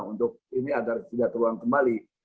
untuk ini agar tidak terulang kembali